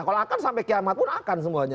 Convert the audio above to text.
kalau akan sampai kiamat pun akan semuanya